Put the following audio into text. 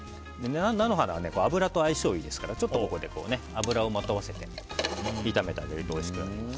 菜の花は油と相性がいいのでここで油をまとわせて炒めてあげるとおいしくなります。